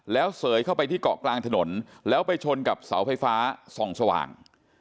แล้วเสยเข้าไปที่เกาะกลางถนนแล้วไปชนกับเสาไฟฟ้าส่องสว่าง